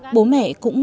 bố mẹ gả chồng cũng nghèo